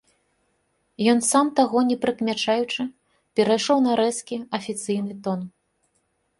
Ён, сам таго не прыкмячаючы, перайшоў на рэзкі, афіцыйны тон.